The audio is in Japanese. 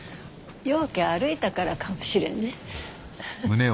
ようけ歩いたからかもしれんね。